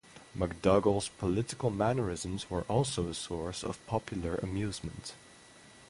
McDougall's political mannerisms were also a source of popular amusement.